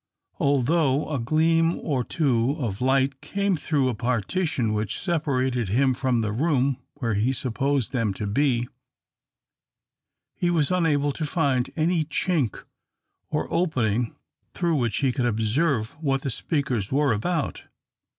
Although a gleam or two of light came through a partition which separated him from the room where he supposed them to be, he was unable to find any chink or opening through which he could observe what the speakers were about.